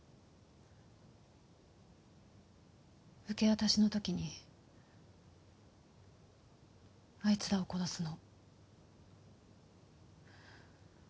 受け渡しのときにアイツらを殺すの。